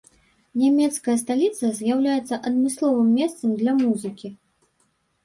Нямецкая сталіца з'яўляецца адмысловым месцам для музыкі.